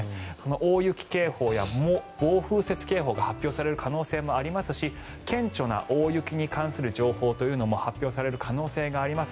大雪警報や暴風雪警報が発表される可能性がありますし顕著な大雪に関する情報というのも発表される可能性があります。